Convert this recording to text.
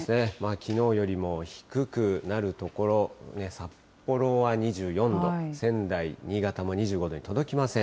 きのうよりも低くなる所、札幌は２４度、仙台、新潟も２５度に届きません。